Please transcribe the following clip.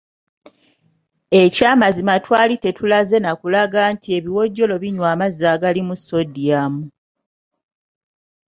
Ekyamazima twali era tetulaze na kulaga nti ebiwojjolo binywa amazzi agalimu sodium.